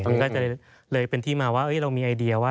มันก็เลยเป็นที่มาว่าเรามีไอเดียว่า